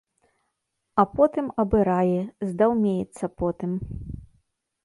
А потым абырае, здаўмеецца потым.